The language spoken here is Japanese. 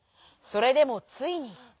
それでもついに。